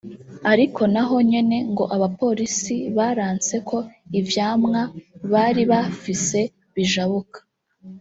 ariko na ho nyene ngo abapolisi baranse ko ivyamwa bari bafise bijabuka